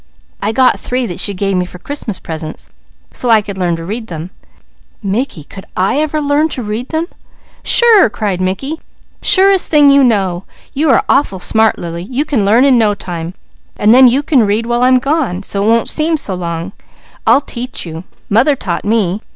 I got three that She gave me for Christmas presents, so I could learn to read them " "Mickey could I ever learn to read them?" "Sure!" cried Mickey. "Surest thing you know! You are awful smart, Lily. You can learn in no time, and then you can read while I'm gone, so it won't seem long. I'll teach you. Mother taught me.